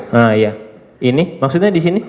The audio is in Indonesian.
nah iya ini maksudnya di sini